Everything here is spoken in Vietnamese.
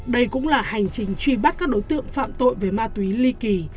đây cũng là hành trình truy bắt các đối tượng phạm tội về ma túy ly kỳ